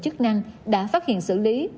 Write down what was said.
chức năng đã phát hiện xử lý